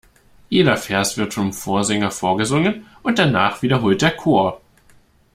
Jeder Vers wird vom Vorsänger vorgesungen und danach wiederholt der Chor.